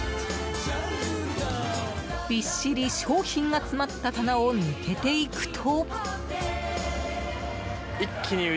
びっしり商品が詰まった棚を抜けていくと。